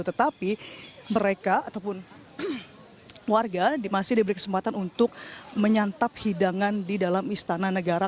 tetapi mereka ataupun warga masih diberi kesempatan untuk menyantap hidangan di dalam istana negara